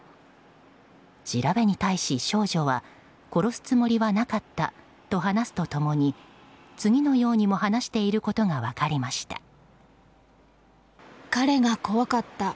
調べに対し少女は殺すつもりはなかったと話すと共に次のようにも話していることが分かりました。